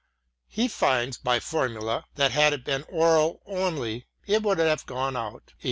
He finds, by formulæ, that had it been oral only, it would have gone out A.